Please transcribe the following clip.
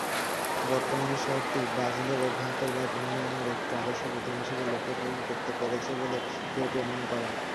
বর্তমানে শহরটি ব্রাজিলের অভ্যন্তরভাগ উন্নয়নের একটি আদর্শ প্রতিমা হিসেবে লক্ষ্য পূরণ করতে পেরেছে বলে কেউ কেউ মনে করেন।